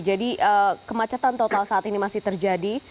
jadi kemacetan total saat ini masih terjadi